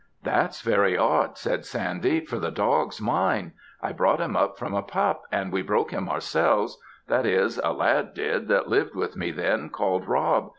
"That's very odd," said Sandy, "for the dog's mine. I brought him up from a pup, and we broke him ourselves that is, a lad did, that lived with me then, called Rob.